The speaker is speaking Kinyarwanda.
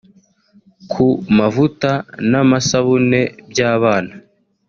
Ku mavuta n’amasabuye by’abana